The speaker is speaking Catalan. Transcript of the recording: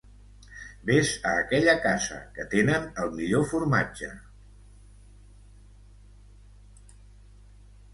Ves a aquella casa, que tenen el millor formatge.